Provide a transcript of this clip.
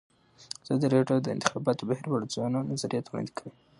ازادي راډیو د د انتخاباتو بهیر په اړه د ځوانانو نظریات وړاندې کړي.